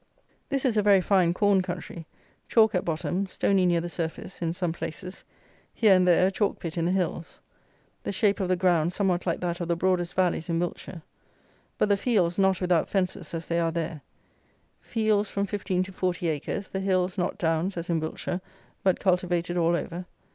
This is a very fine corn country: chalk at bottom: stony near the surface, in some places: here and there a chalk pit in the hills: the shape of the ground somewhat like that of the broadest valleys in Wiltshire; but the fields not without fences as they are there: fields from fifteen to forty acres: the hills not downs, as in Wiltshire; but cultivated all over.